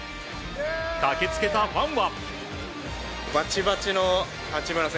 駆けつけたファンは。